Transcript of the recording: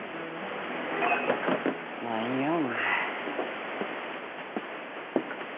何やお前。